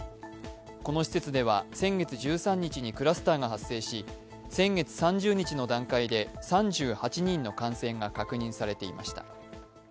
この施設では先月１３日にクラスターが発生し先月３０日の段階で３８人の感染が確認されていました。